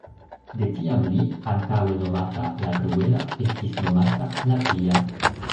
De tiam li, antaŭe nomata "la kruela", estis nomata "la pia".